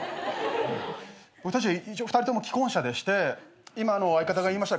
僕たち一応２人とも既婚者でして今相方が言いました